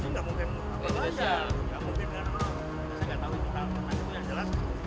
saya tidak tahu jika ada penanggungnya jelas